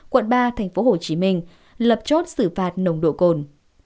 quận ba tp hcm lập chốt xử phạt nồng độ cồn